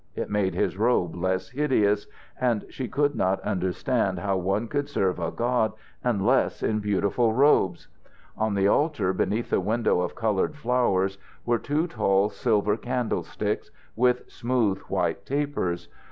It made his robe less hideous, and she could not understand how one could serve a god unless in beautiful robes. On the altar beneath the window of coloured flowers were two tall silver candlesticks, with smooth white tapers.